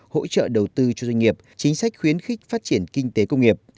hỗ trợ đầu tư cho doanh nghiệp chính sách khuyến khích phát triển kinh tế công nghiệp